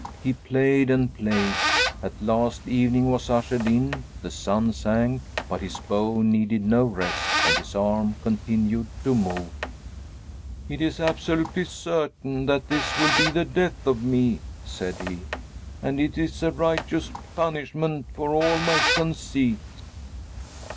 He played and played. At last evening was ushered in, the sun sank, but his bow needed no rest, and his arm continued to move. "It is absolutely certain that this will be the death of me!" said he. "And it is a righteous punishment for all my conceit."